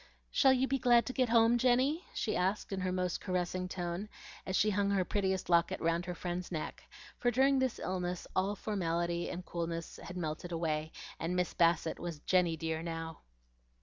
"Shall you be glad to get home, Jenny?" she asked in her most caressing tone, as she hung her prettiest locket round her friend's neck; for during this illness all formality and coolness had melted away, and "Miss Bassett" was "Jenny dear" now.